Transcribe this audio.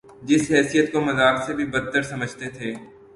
جس حیثیت کو ہم مذاق سے بھی بد تر سمجھتے تھے۔